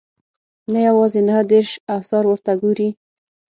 نه یوازې نهه دېرش اثار ورته ګوري.